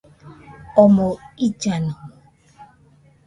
Omoɨ illanomo